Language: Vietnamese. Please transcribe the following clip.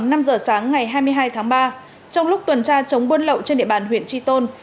khoảng năm giờ sáng ngày hai mươi hai tháng ba trong lúc tuần tra chống buôn lậu trên địa bàn huyện tri tôn